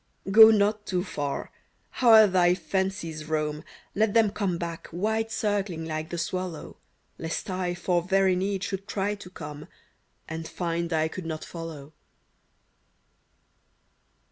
Go not too far ! Howe'er thy fancies roam, Let them come back, wide circling like the swal low, Lest I, for very need, should try to come — And find I could not follow